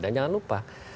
dan jangan lupa